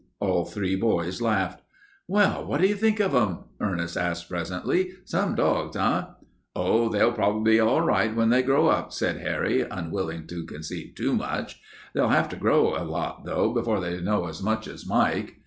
All three boys laughed. "Well, what do you think of 'em?" Ernest asked presently. "Some dogs, eh?" "Oh, they'll prob'ly be all right when they grow up," said Harry, unwilling to concede too much. "They'll have to grow a lot, though, before they know as much as Mike."